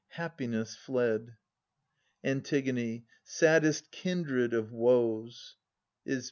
Happiness fled ! Ant. Saddest kindred of woes — Is.